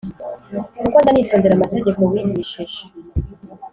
kuko njya nitondera amategeko wigishije